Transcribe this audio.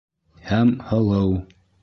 — Һәм һылыу!